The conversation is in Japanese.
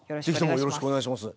よろしくお願いします。